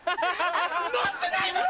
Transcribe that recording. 乗ってないだろ！